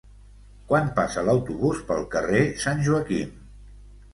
Quan passa l'autobús pel carrer Sant Joaquim?